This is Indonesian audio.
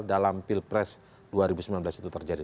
dalam pilpres dua ribu sembilan belas itu terjadi